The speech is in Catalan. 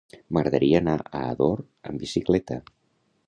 M'agradaria anar a Ador amb bicicleta.